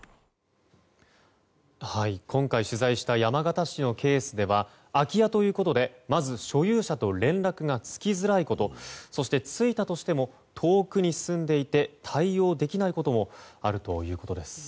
今回取材した山形市のケースでは空き家ということで、まず所有者と連絡がつきづらいことそして、ついたとしても遠くに住んでいて対応できないこともあるということです。